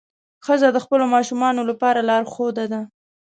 ښځه د خپلو ماشومانو لپاره لارښوده ده.